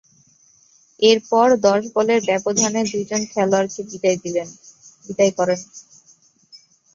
এরপর, দশ বলের ব্যবধানে দুইজন খেলোয়াড়কে বিদেয় করেন।